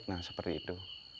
nah seperti itu